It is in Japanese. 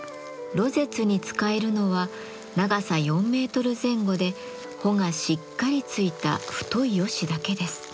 廬舌に使えるのは長さ４メートル前後で穂がしっかり付いた太いヨシだけです。